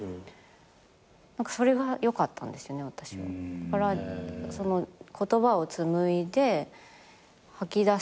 だから言葉を紡いで吐き出す。